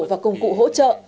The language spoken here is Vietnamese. và công cụ hỗ trợ